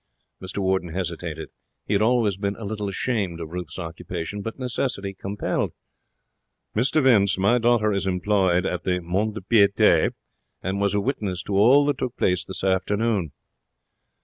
Mr Warden hesitated. He had always been a little ashamed of Ruth's occupation. But necessity compelled. 'Mr Vince, my daughter is employed at the mont de piete, and was a witness to all that took place this afternoon.'